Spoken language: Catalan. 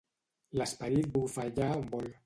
L'esperit bufa allà on vol.